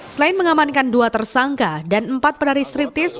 selain mengamankan dua tersangka dan empat penari striptease